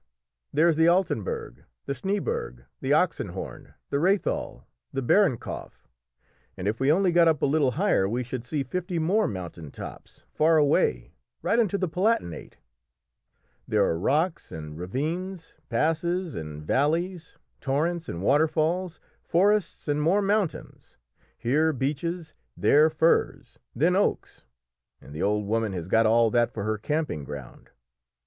there's the Altenberg, the Schnéeberg, the Oxenhorn, the Rhéthal, the Behrenkopf, and if we only got up a little higher we should see fifty more mountain tops far away, right into the Palatinate. There are rocks and ravines, passes and valleys, torrents and waterfalls, forests, and more mountains; here beeches, there firs, then oaks, and the old woman has got all that for her camping ground.